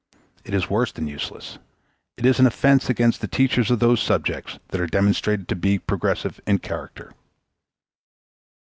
It is worse than useless. It is an offense against the teachers of those subjects that are demonstrated to be progressive in character.